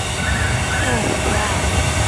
ওহ, wow.